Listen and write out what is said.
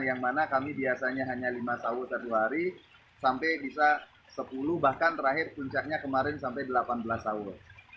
yang mana kami biasanya hanya lima sawul satu hari sampai bisa sepuluh bahkan terakhir puncaknya kemarin sampai delapan belas sahur